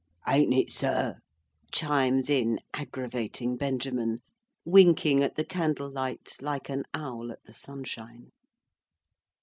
"Ain't it, sir?" chimes in agravating Benjamin, winking at the candle light like an owl at the sunshine.